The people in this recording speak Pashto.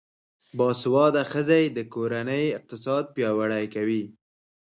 باسواده ښځې د کورنۍ اقتصاد پیاوړی کوي.